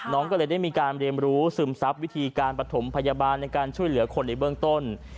น้องก็เลยได้มีการเรียนรู้ซึมซับวิธีการประถมพยาบาลในการช่วยเหลือคนในเบื้องต้น